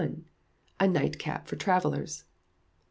A Nightcap For Travellers.